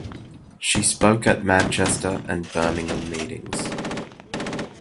She spoke at Manchester and Birmingham meetings.